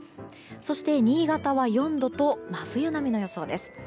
そして、新潟は４度と真冬並みの予想です。